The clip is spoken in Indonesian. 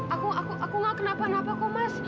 aku aku gak kenapa napa kok mas